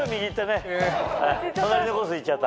隣のコース行っちゃった。